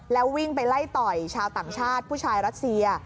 แล้ววิ่งไปไล่ต่อยชาวต่างชาติผู้ชายรัสเซีย